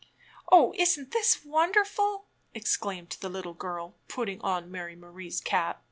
"Oh, isn't this wonderful!" exclaimed the little girl, putting on Mary Marie's cap.